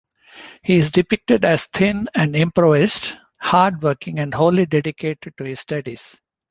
He is depicted as thin and impoverished, hard-working and wholly dedicated to his studies.